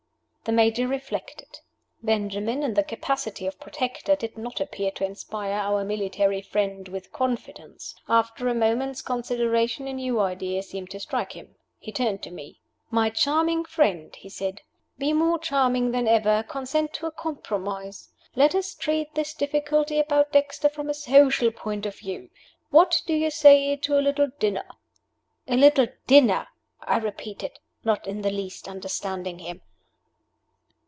The Major reflected. Benjamin, in the capacity of protector, did not appear to inspire our military friend with confidence. After a moment's consideration a new idea seemed to strike him. He turned to me. "My charming friend," he said, "be more charming than ever consent to a compromise. Let us treat this difficulty about Dexter from a social point of view. What do you say to a little dinner?" "A little dinner?" I repeated, not in the least understanding him.